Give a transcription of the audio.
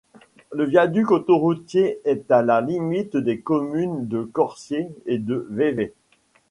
Le viaduc autoroutier est à la limites des communes de Corsier et de Vevey.